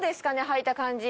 履いた感じ